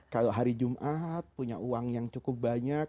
kalau hari jumat punya uang yang cukup banyak